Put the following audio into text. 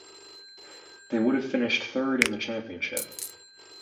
They would have finished third in the championship.